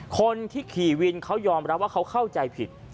คนที่ขี่วินเขายอมรับว่าเขาเข้าใจผิด